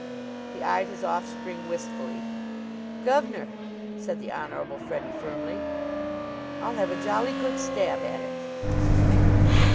He eyed his offspring wistfully. "Gov'nor," said the Honorable Freddie firmly, "I'll have a jolly good stab at it!"